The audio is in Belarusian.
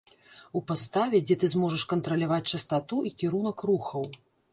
У паставе, дзе ты зможаш кантраляваць частату і кірунак рухаў.